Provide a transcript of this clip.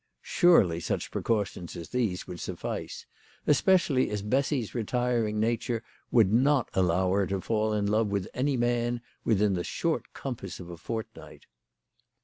Surely such precautions as these would suffice, especially as Bessy's retiring nature would not allow her to fall in love with any man within the short compass of a fortnight.